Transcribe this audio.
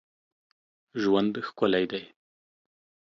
ژوند ښکلی دی.